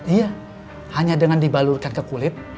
iya hanya dengan dibalurkan ke kulit